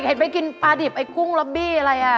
เห็นไปกินปลาดิบไอ้กุ้งล็อบบี้อะไรอ่ะ